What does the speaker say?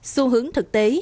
xu hướng thực tế